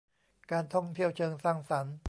การท่องเที่ยวเชิงสร้างสรรค์